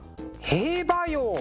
「兵馬俑」！